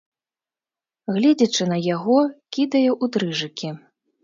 Гледзячы на яго, кідае ў дрыжыкі.